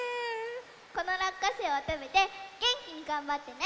このらっかせいをたべてげんきにがんばってね！